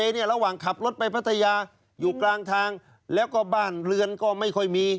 เนี่ยระหว่างขับรถไปพัทยาอยู่กลางทางแล้วก็บ้านเรือนก็ไม่ค่อยมี